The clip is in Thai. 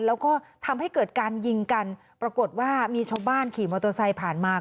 แล้วก็ทำให้เกิดการยิงกันปรากฏว่ามีชาวบ้านขี่มอเตอร์ไซค์ผ่านมา